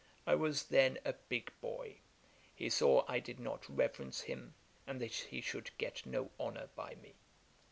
I was then a big boy; he saw I did not reverence him; and that he should get no honour by me.